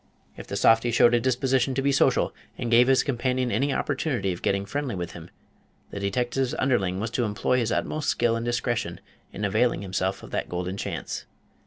If the softy showed a disposition to be social, and gave his companion any opportunity of getting friendly with him, the detective's underling was to employ his utmost skill and discretion in availing himself of that golden chance.